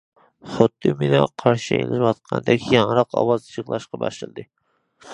خۇددى مېنى قارشى ئېلىۋاتقاندەك ياڭراق ئاۋازدا يىغلاشقا باشلىدى.